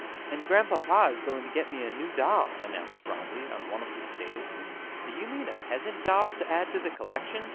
"And Grandpapa is going to get me a new doll," announced Phronsie, on one of these days. "Do you mean a peasant doll to add to the collection?"